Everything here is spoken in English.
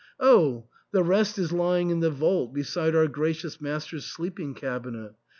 Oh ! the rest is lying in the vault beside our gracious master's sleeping cabinet.